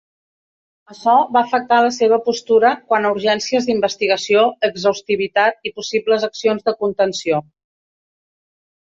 Açò va afectar la seva postura quant a urgències d'investigació, exhaustivitat i possibles accions de contenció.